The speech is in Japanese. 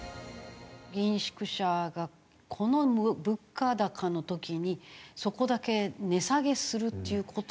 議員宿舎がこの物価高の時にそこだけ値下げするっていう事については。